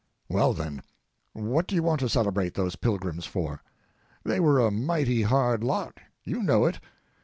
Well, then, what do you want to celebrate those Pilgrims for? They were a mighty hard lot—you know it.